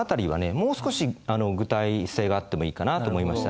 もう少し具体性があってもいいかなと思いましたね。